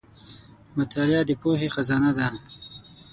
• مطالعه د پوهې خزانه ده.